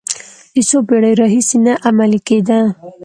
د څو پېړیو راهیسې نه عملي کېده.